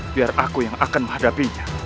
biar aku yang akan menghadapinya